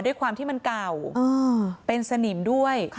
ด้วยความที่มันเก่าเป็นสนิมด้วย